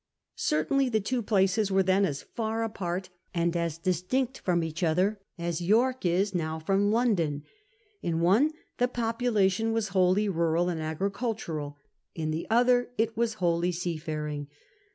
Cer tainly the two places were then as far apart and as distinct from each other as York is now from London. In one the population was wholly rural and agricultural, in the other it was wholly seafaring.